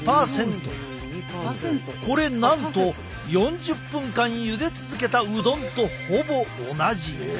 これなんと４０分間ゆで続けたうどんとほぼ同じ。え！